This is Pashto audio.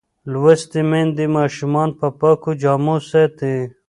لوستې میندې ماشومان په پاکو جامو ساتي.